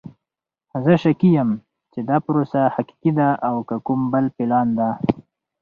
زه شکي یم چې دا پروسه حقیقی ده او که کوم بل پلان ده!